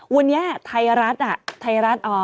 วันนี้ไทรรัสอ่ะไทรรัสออออออออ